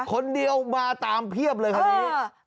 คนเดียวมาตามเพียบเลยคราวนี้